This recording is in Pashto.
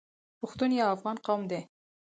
پښتون یو افغان قوم دی.